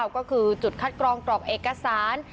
ก็คือจุดคัดกรองกรอกเอกสาร